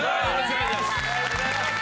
お願いしまーす！